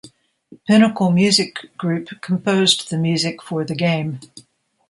Pinnacle Music Group composed the music for the game.